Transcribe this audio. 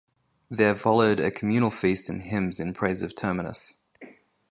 There followed a communal feast and hymns in praise of Terminus.